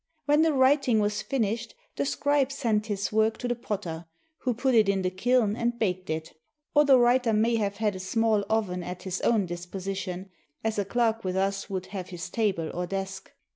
When the writing was finished, the scribe sent his work to the potter, who put it in the kiln and baked it, or the writer may have had a small oven at his own disposition, as a clerk with us would have his table or desk.